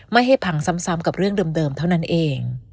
ไม่ให้พังซ้ำกับเรื่องเดิมเท่านั้นเอง